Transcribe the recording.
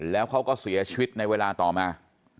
แล้วเขาก็เสียชีวิตในเวลาต่อมา